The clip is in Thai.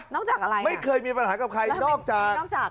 นอกจากอะไรนะแล้วทำไมมีปัญหาล่างจาก